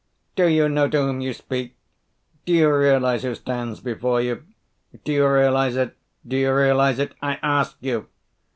"Do you know to whom you speak? Do you realise who stands before you? Do you realise it? do you realise it? I ask you!"